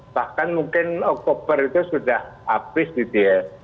bahkan mungkin oktober itu sudah habis gitu ya